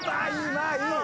まあいい。